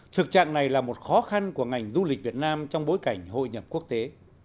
thực trạng này là một khó khăn của ngành du lịch việt nam trong bối cảnh hội nhập quốc tế